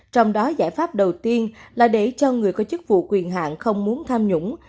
trong đó giải pháp đầu tiên là để cho người có chức vụ quyền hạn không muốn tham nhũng